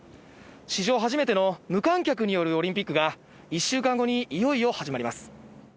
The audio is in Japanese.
史上初めての無観客によるオリンピックが、１週間後にいよいよ始まります。